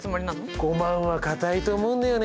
５万は堅いと思うんだよね。